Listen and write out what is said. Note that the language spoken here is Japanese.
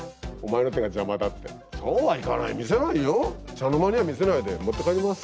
茶の間には見せないで持って帰ります。